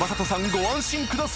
ご安心ください］